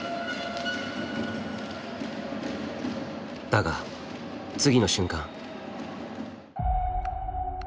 だが次の瞬間。